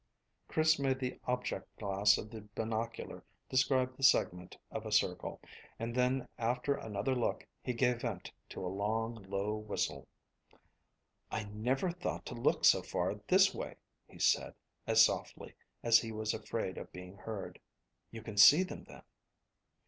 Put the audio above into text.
Chris made the object glass of the binocular describe the segment of a circle, and then after another look he gave vent to a long, low whistle. "I never thought to look so far this way," he said, as softly as if he was afraid of being heard. "You can see them, then?"